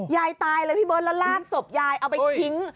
ยายตายเลยพี่เบิ๊ยและลากศสอบยายเอาไปทิ้ง